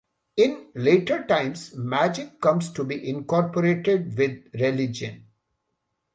In later times magic comes to be incorporated with religion.